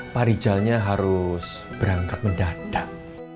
pak rijalnya harus berangkat mendatang